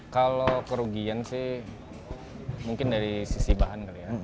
kalau kerugian sih mungkin dari sisi bahan kali ya